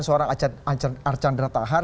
seorang arjandra tahar